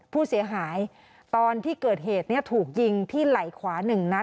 ผู้เสียหายตอนที่เกิดเหตุถูกยิงที่ไหล่ขวา๑นัด